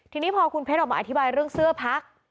ทีนี้พอคุณเพชรออกมาอธิบายเรื่องเสื้อพัก